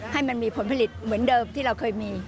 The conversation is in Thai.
ให้มันมีผลผลิตเหมือนเดิมที่เราเคยมี